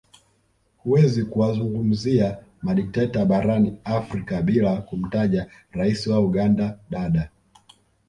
Huwezi kuwazungumzia madikteta barani afrika bila kumtaja Rais wa Uganda Dada